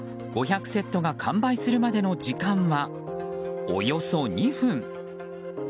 ５００セットが完売するまでの時間はおよそ２分。